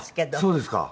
そうですか。